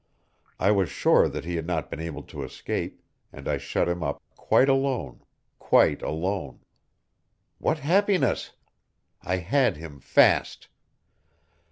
I was sure that he had not been able to escape, and I shut him up quite alone, quite alone. What happiness! I had him fast.